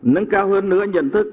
nâng cao hơn nữa nhận thức